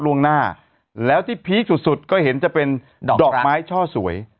ล่วงหน้าแล้วที่พีคสุดสุดก็เห็นจะเป็นดอกไม้ช่อสวย